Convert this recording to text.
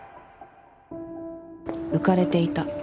浮かれていた。